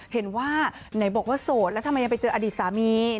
เห็นว่าไหนบอกว่าโสดแล้วทำไมยังไปเจออดีตสามี